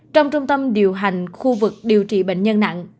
trong trung tâm điều hành khu vực điều trị bệnh nhân nặng